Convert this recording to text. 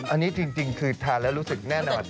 อันนี้ทิ้งคือทานให้รู้สึกแน่ในวัน